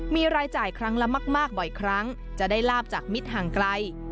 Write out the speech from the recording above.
มีรายจ่ายครั้งละมากบ่อยครั้งจะได้ลาบจากมิตรห่างไกล